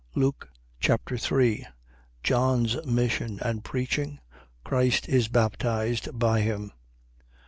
Luke Chapter 3 John's mission and preaching. Christ is baptized by him.